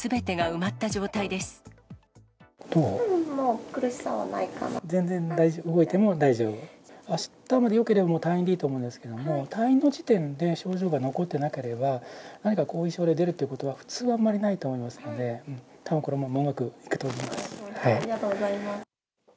あしたまでよければ、退院でいいと思うんですけれども、退院の時点で、症状が残ってなければ、何か後遺症が出るということは普通あんまりないと思いますので、ありがとうございます。